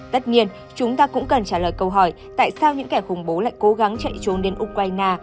tất nhiên chúng ta cũng cần trả lời câu hỏi tại sao những kẻ khủng bố lại cố gắng chạy trốn đến ukraine